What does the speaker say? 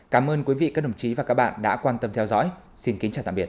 cảm ơn quý vị các đồng chí và các bạn đã quan tâm theo dõi xin kính chào tạm biệt